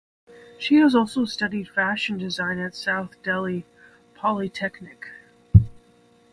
She has also studied Fashion Design at South Delhi Polytechnic.